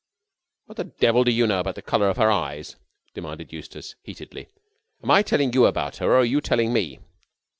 "What the devil do you know about the colour of her eyes?" demanded Eustace heatedly. "Am I telling you about her, or are you telling me?"